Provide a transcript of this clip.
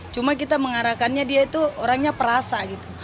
cuma kita mengarahkannya dia itu orangnya perasa gitu